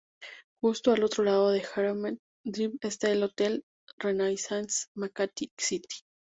Justo al otro lado de Greenbelt Drive está el Hotel Renaissance Makati City.